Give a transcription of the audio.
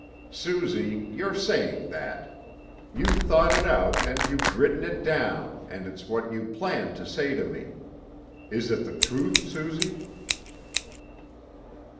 "Suzy, you're saying that. You've thought it out, and you've written it down, and it's what you planned to say to me. Is it the truth, Suzy?"